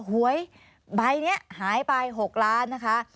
หวยใบนี้หายไป๖ล้านนะคะ